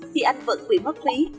thì anh vẫn bị mất phí